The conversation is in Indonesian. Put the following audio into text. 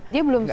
dia belum siap